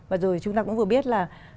và rồi chúng ta cũng vừa biết là